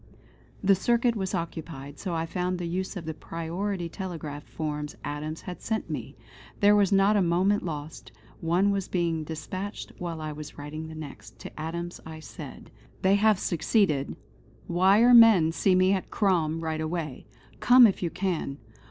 The circuit was occupied, so I found the use of the priority telegraph forms Adams had sent me. There was not a moment lost; one was being despatched whilst I was writing the next. To Adams I said: "They have succeeded: Wire men see me at Crom right away. Come if you can.